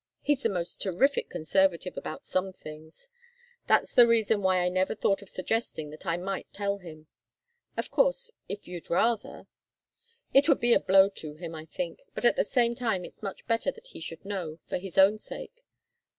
He's the most terrific conservative about some things. That's the reason why I never thought of suggesting that I might tell him. Of course if you'd rather. It would be a blow to him, I think, but at the same time it's much better that he should know, for his own sake.